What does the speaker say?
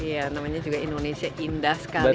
iya namanya juga indonesia indah sekali